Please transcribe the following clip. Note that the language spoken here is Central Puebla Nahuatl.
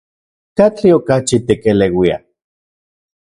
¿Katli okachi tikeleuia?